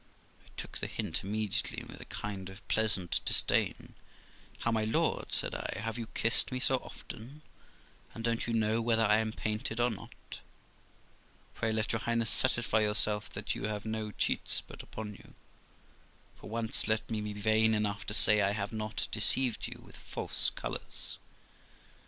I took the hint immediately, and with a kind of pleasant disdain, 'How, my lord', said I, 'have you kissed me so often, and don't you know whether I am painted or not? Pray let your Highness satisfy yourself that you have no cheats put upon you ; for once let me be vain enough to say I have not deceived you with false colours.'